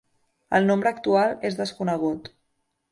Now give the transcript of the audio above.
El nombre actual és desconegut.